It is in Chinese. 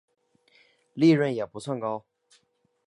利润也不算高